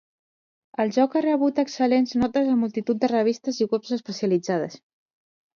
El joc ha rebut excel·lents notes a multitud de revistes i webs especialitzades.